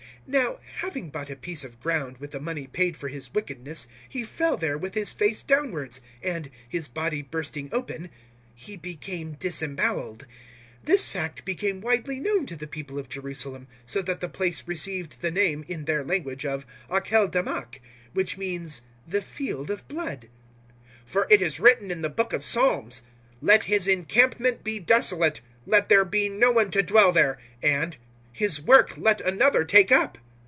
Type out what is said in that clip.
001:018 (Now having bought a piece of ground with the money paid for his wickedness he fell there with his face downwards, and, his body bursting open, he became disembowelled. 001:019 This fact became widely known to the people of Jerusalem, so that the place received the name, in their language, of Achel damach, which means `The Field of Blood.') 001:020 "For it is written in the Book of Psalms, "`Let his encampment be desolate: let there be no one to dwell there'; and "`His work let another take up.'